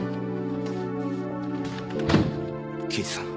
刑事さん。